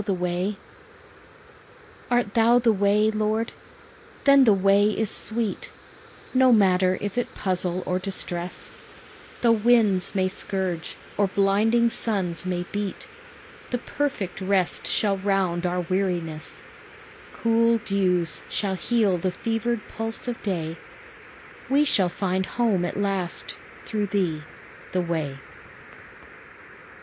AM THE WAY 23 Art Thou the way, Lord ? Then the way is sweet, No matter if it puzzle or distress, Though winds may scourge, or blinding suns may beat, The perfect rest shall round our weariness, Cool dews shall heal the fevered pulse of day ; We shall find home at last through thee, the way.